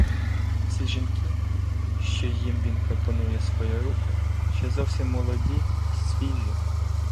Всі жінки, що їм він пропонує свою руку ще зовсім молоді й свіжі.